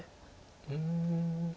うん。